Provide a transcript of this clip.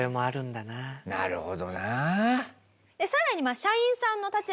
なるほど。